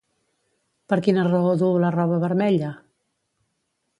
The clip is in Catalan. Per quina raó duu la roba vermella?